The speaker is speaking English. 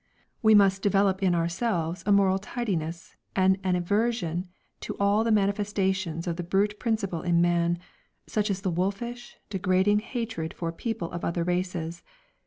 "We must develop in ourselves a moral tidiness, and an aversion to all the manifestations of the brute principle in man, such as the wolfish, degrading hatred for people of other races.